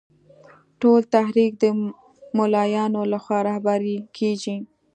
ټول تحریک د مولویانو له خوا رهبري کېږي.